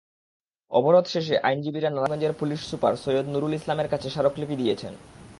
অবরোধ শেষে আইনজীবীরা নারায়ণগঞ্জের পুলিশ সুপার সৈয়দ নুরুল ইসলামের কাছে স্মারকলিপি দিয়েছেন।